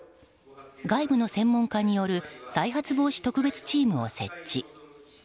外部の専門家による再発防止特別チームを設置。